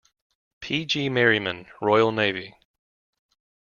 P. G. Merriman, Royal Navy.